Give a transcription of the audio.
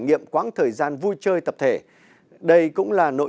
góp phần gìn giữ vẻ đẹp vun có